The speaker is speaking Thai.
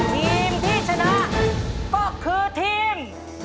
ทีมที่ชนะก็คือทีม